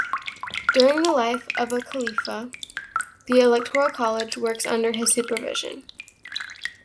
During the life of a Khalifa, the Electoral College works under his supervision.